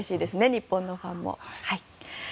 日本のファンも。